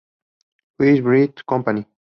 Louis Bread Company.